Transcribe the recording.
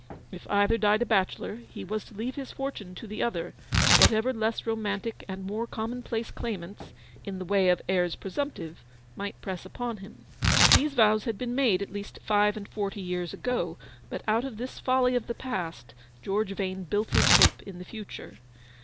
If either died a bachelor, he was to leave his fortune to the other, whatever less romantic and more common place claimants, in the way of heirs presumptive, might press upon him. These vows had been made at least five and forty years ago, but out of this folly of the past George Vane built his hope in the future.